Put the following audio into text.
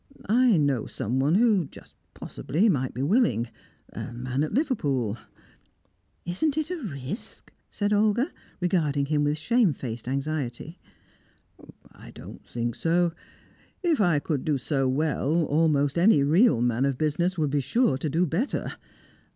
I know someone who, just possibly, might be willing a man at Liverpool." "Isn't it a risk?" said Olga, regarding him with shamefaced anxiety. "I don't think so. If I could do so well, almost any real man of business would be sure to do better.